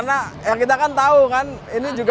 karena kita kan tahu kan ini juga